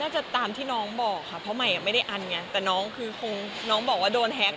จะตามที่น้องบอกค่ะเพราะใหม่ไม่ได้อันไงแต่น้องคือคงน้องบอกว่าโดนแฮ็ก